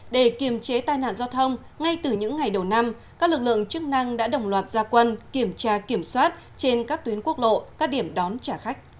để kiềm chế tai nạn giao thông ngay từ những ngày đầu năm các lực lượng chức năng đã đồng loạt gia quân kiểm tra kiểm soát trên các tuyến quốc lộ các điểm đón trả khách